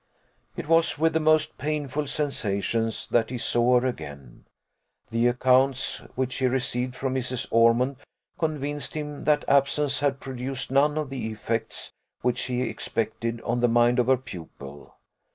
It was with the most painful sensations that he saw her again. The accounts which he received from Mrs. Ormond convinced him that absence had produced none of the effects which he expected on the mind of her pupil.